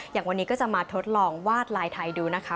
อย่างวันนี้ก็จะมาทดลองวาดลายไทยดูนะคะ